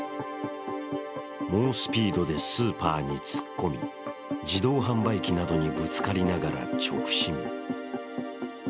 猛スピードでスーパーに突っ込み自動販売機などにぶつかりながら直進。